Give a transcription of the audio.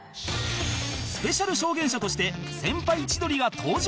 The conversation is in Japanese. スペシャル証言者として先輩千鳥が登場！